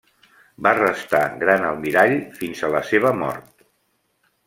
Va restar gran almirall fins a la seva mort.